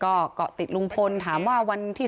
ก็เกาะติดลุงพลถามว่าวันที่